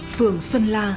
phương xuân la